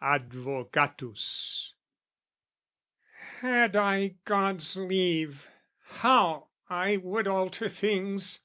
Advocatus Had I God's leave, how I would alter things!